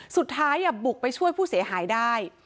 สุดท้ายบุกไปช่วยผู้เสียหายได้